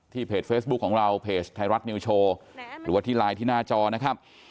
เพจเฟซบุ๊คของเราเพจไทยรัฐนิวโชว์หรือว่าที่ไลน์ที่หน้าจอนะครับ